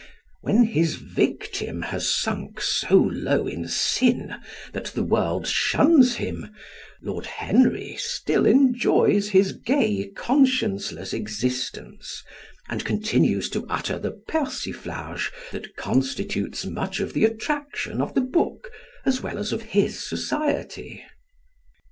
When his victim has sunk so low in sin that the world shuns him, Lord Henry still enjoys his gay, conscienceless existence, and continues to utter the persiflage that constitutes much of the attraction of the book as well of his society.